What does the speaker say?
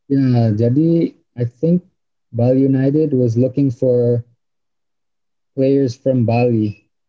ya jadi gue kira bali united mencari pemain dari bali